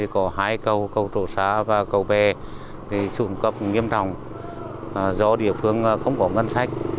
có hai cầu cầu trộ sa và cầu bè trụng cấp nghiêm trọng do địa phương không có ngân sách